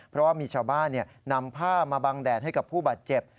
เพราะว่ามีชาวบ้านนำผ้ามาบังแดดให้กับผู้บาดเจ็บ